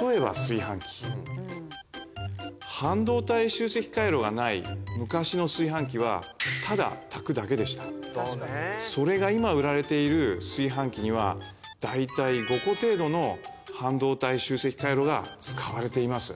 例えば炊飯器半導体集積回路がない昔の炊飯器はそれが今売られている炊飯器には大体５個程度の半導体集積回路が使われています